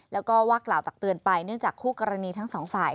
แล้วก็ว่ากล่าวตักเตือนไปเนื่องจากคู่กรณีทั้งสองฝ่าย